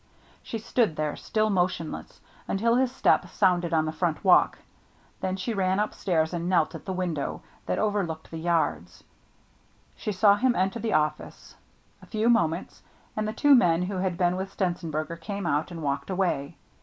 She stood there, still motionless, until his step sounded on the front walk ; then she ran upstairs and knelt by the window that over looked the yards. She saw him enter the office. A few moments, and the two men who had been with Stenzenberger came out and walked away.